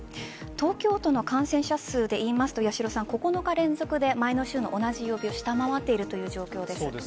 東京都の感染者数でいいますと９日連続で前の週の同じ曜日を下回っているという状況です。